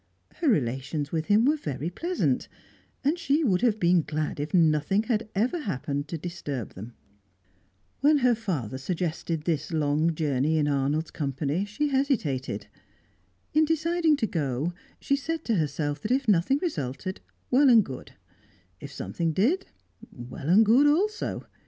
Her relations with him were very pleasant, and she would have been glad if nothing had ever happened to disturb them. When her father suggested this long journey in Arnold's company, she hesitated. In deciding to go, she said to herself that if nothing resulted, well and good; if something did, well and good also.